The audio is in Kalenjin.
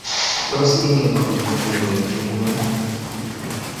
Tos, ingen kole mi kowendi ingweny?